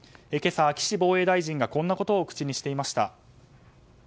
今朝、岸防衛大臣がこんなことを口にしていました。